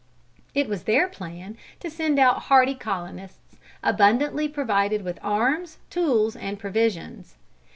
It was their plan to send out hardy colonists, abundantly provided with arms, tools and provisions.